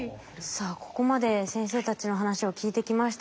さあここまで先生たちの話を聞いてきましたけど。